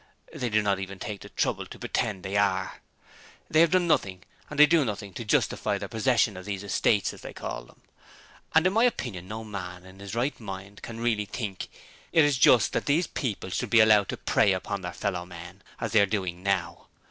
They do not even take the trouble to pretend they are. They have done nothing and they do nothing to justify their possession of these "estates" as they call them. And in my opinion no man who is in his right mind can really think it's just that these people should be allowed to prey upon their fellow men as they are doing now.